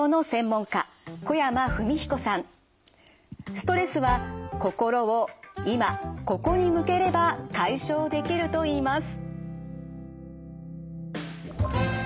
ストレスは心を今・ここに向ければ解消できるといいます。